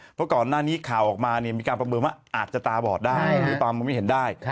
เพราะก่อนหน้านี้ข่าวออกมามีการประเมินว่าอาจจะตาบอดได้หรือเปล่ามองไม่เห็นได้